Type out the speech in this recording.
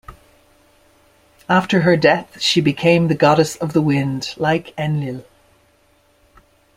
After her death, she became the goddess of the wind, like Enlil.